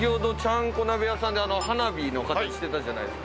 ちゃんこ鍋屋さんで花火の形をしていたじゃないですか。